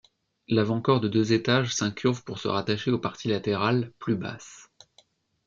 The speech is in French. L’avant-corps de deux étages s’incurve pour se rattacher aux parties latérales, plus basses.